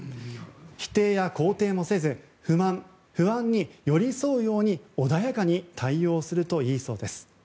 否定や肯定もせず、不満・不安に寄り添うように、穏やかに対応するといいそうです。